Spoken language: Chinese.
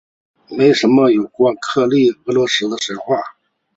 没有什么有关克利俄斯的神话。